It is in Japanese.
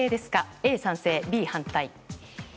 Ａ、賛成Ｂ、反対。